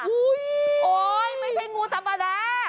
อุ๊ยไม่ใช่งูสมดา